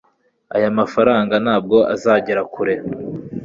aya mafranga ntabwo azagera kure